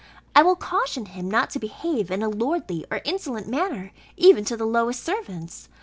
I will caution him not to behave in a lordly or insolent manner, even to the lowest servants.